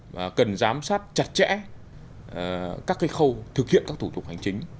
và cần giám sát chặt chẽ các khâu thực hiện các thủ tục hành chính